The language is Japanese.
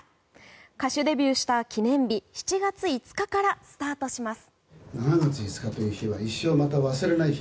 歌手デビューした記念日７月５日からスタートします。